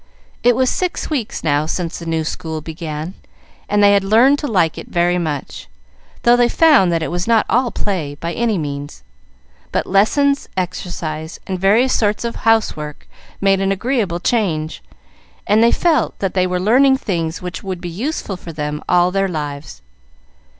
It was six weeks now since the new school began, and they had learned to like it very much, though they found that it was not all play, by any means. But lessons, exercise, and various sorts of housework made an agreeable change, and they felt that they were learning things which would be useful to them all their lives.